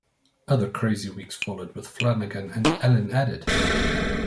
Other Crazy Weeks followed with Flanagan and Allen added.